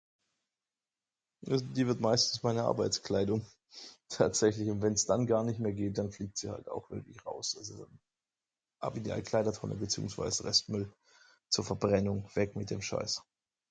[unintelligible] Die wird meistens meine Arbeitskleidung, tatsächlich und wenns dann gar nicht mehr geht dann fliegt sie halt auch wirklich raus [unintelligible] Ab in die Altkleidertonne beziehungsweise Restmüll zur Verbrennung, weg mit dem Scheiß.